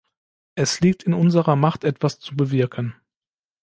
Es liegt in unserer Macht, etwas zu bewirken.